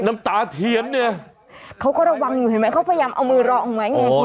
น้ำตาเทียนเนี่ยเขาก็ระวังอยู่เห็นไหมเขาพยายามเอามือรองไว้ไงคุณ